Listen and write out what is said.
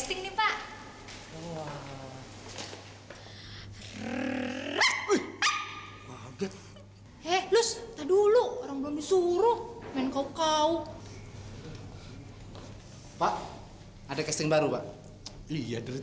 ini yang saya cari